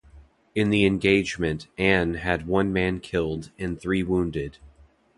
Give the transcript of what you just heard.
In the engagement "Ann" had one man killed and three wounded.